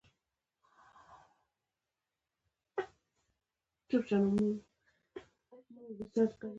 موږ سولې ته کار کوو.